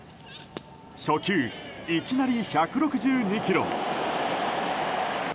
初球、いきなり１６２キロ！